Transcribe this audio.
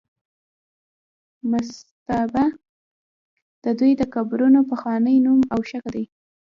مستابه د دوی د قبرونو پخوانی نوم او شکل دی.